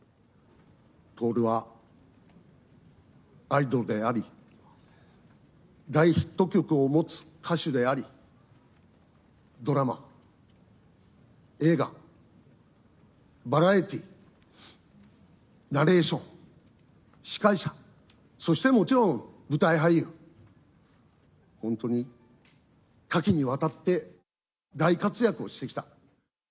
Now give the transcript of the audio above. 徹はアイドルであり、大ヒット曲を持つ歌手であり、ドラマ、映画、バラエティ、ナレーション、司会者、そしてもちろん舞台俳優、本当に多岐にわたって大活躍をしてきた。